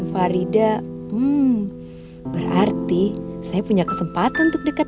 saya pernah menang subjected dengan